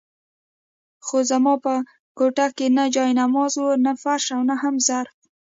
خو زما په کوټه کې نه جاینماز وو، نه فرش او نه هم ظرف.